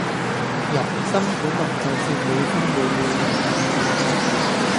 人心本來就是每分每秒也在變